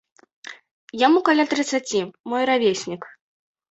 Яму каля трыццаці, мой равеснік.